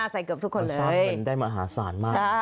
ใส่เกือบทุกคนเลย